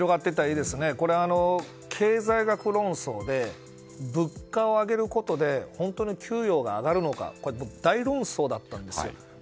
これは経済学論争で物価を上げることで本当に給与が上がるのか大論争だったんですよ。